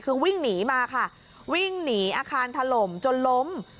คือวิ่งหนีมาค่ะวิ่งหนีอาคารถล่มจนล้ม